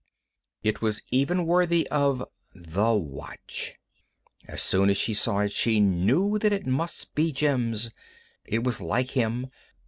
It was even worthy of The Watch. As soon as she saw it she knew that it must be Jim's. It was like him.